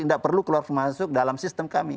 tidak perlu keluar masuk dalam sistem kami